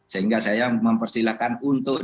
sehingga saya mempersilahkan untuk